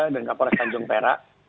dan kapolres tanjung perak